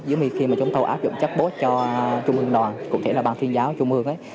giống như khi mà chúng tôi áp dụng chatbot cho trung ương đoàn cũng thể là bàn thiên giáo trung ương ấy